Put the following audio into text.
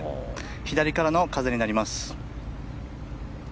左からの風になります。